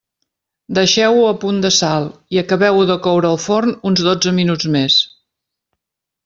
Deixeu-ho a punt de sal i acabeu-ho de coure al forn uns dotze minuts més.